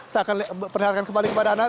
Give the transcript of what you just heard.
saya akan perlihatkan kembali kepada anda